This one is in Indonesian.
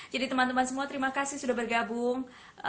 jadi teman teman semua terima kasih sudah bergabung